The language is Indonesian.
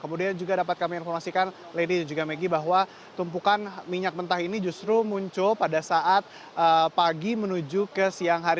kemudian juga dapat kami informasikan lady dan juga maggie bahwa tumpukan minyak mentah ini justru muncul pada saat pagi menuju ke siang hari